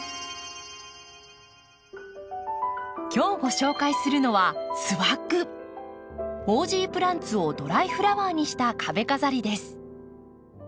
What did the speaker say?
今日ご紹介するのはオージープランツをドライフラワーにした壁飾りです。